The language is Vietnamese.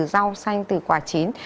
rau xanh từ quả chín